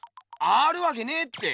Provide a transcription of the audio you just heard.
あるわけねえって。